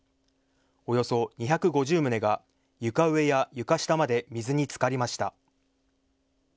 およそ２５０棟が床上や床下まで水につかりました。